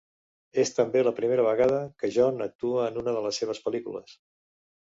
És també la primera vegada que John actua en una de les seves pel·lícules.